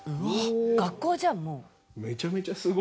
学校じゃんもう。